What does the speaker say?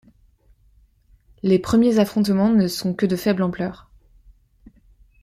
Les premiers affrontements ne sont que de faible ampleur.